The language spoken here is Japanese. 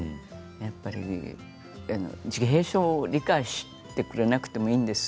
やっぱり自閉症を理解してくれなくてもいいんです。